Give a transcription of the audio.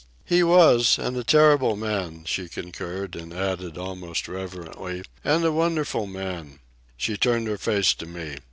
"He was, and a terrible man," she concurred, and added, almost reverently: "And a wonderful man." She turned her face to me.